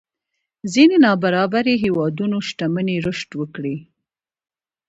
ځينې نابرابرۍ هېوادونو شتمنۍ رشد وکړي.